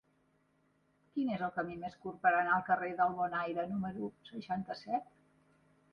Quin és el camí més curt per anar al carrer del Bonaire número seixanta-set?